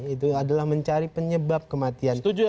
itu adalah mencari penyebab kematian